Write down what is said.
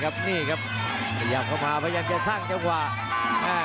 พยายามจะสร้างเวลา